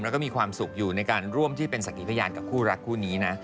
แล้วก็มีความสุขอยู่ในการร่วมที่เป็นสักกิพยานกับคู่รักคู่นี้นะ